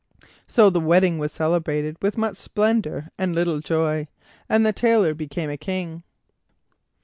So the wedding was celebrated with much splendor and little joy, and the Tailor became a King.